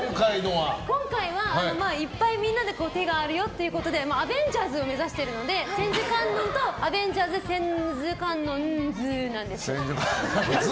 今回は、いっぱいみんなで手があるよってことでアベンジャーズを目指しているので千手観音とアベンジャーズで千手観音ズなんです。